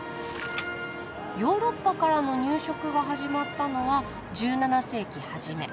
ヨーロッパからの入植が始まったのは１７世紀初め。